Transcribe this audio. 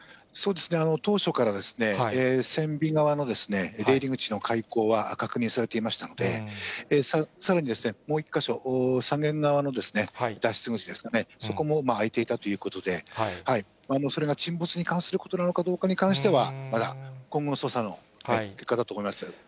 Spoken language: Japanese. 当初から船尾側の出入り口の開口は確認されていましたので、さらにもう１か所、左舷側の脱出口ですかね、そこも開いていたということで、それが沈没に関することなのかどうかに関しては、まだ今後の捜査の結果だと思います。